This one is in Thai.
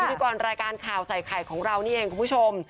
พิธีกรรายการข่าวใส่ไข่ของเรานี่เองคุณผู้ชม